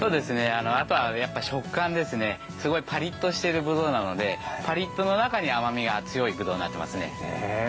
あとは食感ですね、すごいパリッとしているぶどうなのでパリッとの中に甘みが強いぶどうになってますね。